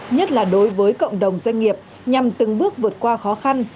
nhất là đối với cộng đồng doanh nghiệp nhằm từng bước vượt qua khó khăn